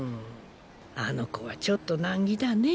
あの子はちょっと難儀だねぇ。